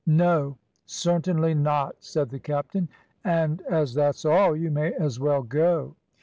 "No certainly not," said the captain; "and as that's all, you may as well go."